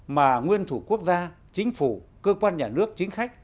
mà nguyên thủ quốc gia chính phủ cơ quan nhà nước chính khách